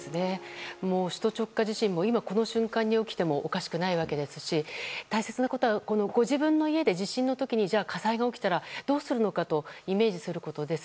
首都直下地震は今この瞬間に起きてもおかしくないですし大切なことはご自分の家で地震の時に火災が起きたらどうするのかとイメージすることです。